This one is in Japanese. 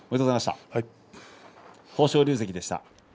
豊昇龍関でした。